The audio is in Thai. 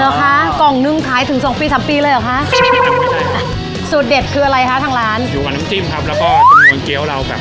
เหรอคะกล่องนึงขายถึง๒ปี๓ปีเลยเหรอคะ